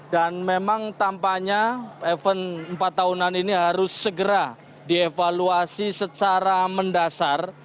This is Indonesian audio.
dan memang tampaknya event empat tahunan ini harus segera dievaluasi secara mendasar